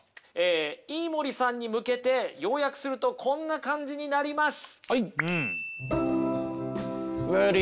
飯森さんに向けて要約するとこんな感じになります。